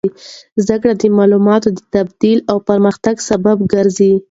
زده کړه د معلوماتو د تبادلې او پرمختګ سبب ګرځي.